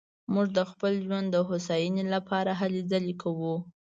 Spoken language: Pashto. موږ د خپل ژوند د هوساينې لپاره هلې ځلې کوو